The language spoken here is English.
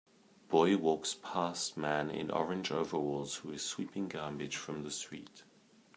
Boy walks past man in orange overalls who is sweeping garbage from the street.